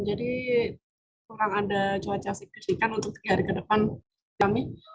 jadi kurang ada cuaca sikir sikirkan untuk tiga hari ke depan kami